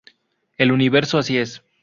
El universo así es.